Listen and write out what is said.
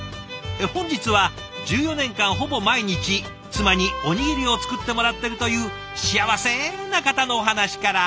本日は１４年間ほぼ毎日妻におにぎりを作ってもらってるという幸せな方のお話から。